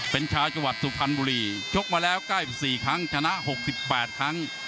เป็นชาวจังหวัดสุพรรณบุรีชกมาแล้ว๙๔ครั้งชนะ๖๘ครั้ง